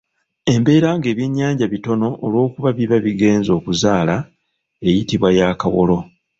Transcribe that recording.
Embeera nga ebyennyanja bitono olwokuba biba bigenze okuzaala eyitibwa ya kawolo.